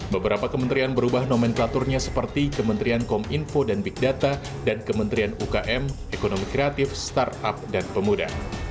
beberapa kementerian berubah nomenklaturnya seperti kementerian kominfo dan big data dan kementerian ukm ekonomi kreatif startup dan pemuda